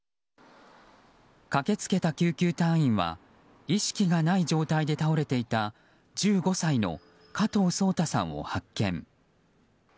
駆け付けた救急隊員は意識がない状態で倒れていた１５歳の加藤颯太さんを発見。